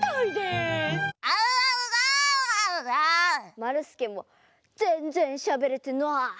まるすけもぜんぜんしゃべれてない！